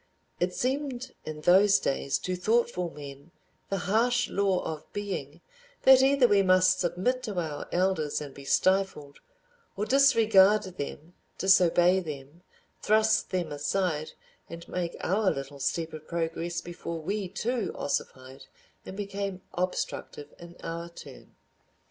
It seemed in those days to thoughtful men the harsh law of being—that either we must submit to our elders and be stifled, or disregard them, disobey them, thrust them aside, and make our little step of progress before we too ossified and became obstructive in our turn.